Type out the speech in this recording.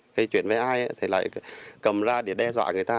cái chuyện với ai thì lại cầm ra để đe dọa người ta